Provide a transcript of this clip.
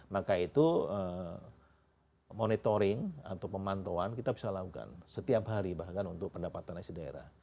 maka itu monitoring atau pemantauan kita bisa lakukan setiap hari bahkan untuk pendapatan isi daerah